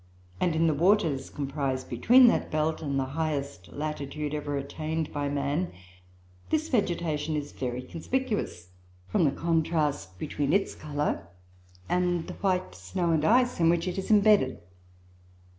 and in the waters comprised between that belt and the highest latitude ever attained by man, this vegetation is very conspicuous, from the contrast between its colour and the white snow and ice in which it is imbedded.